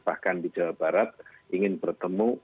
bahkan di jawa barat ingin bertemu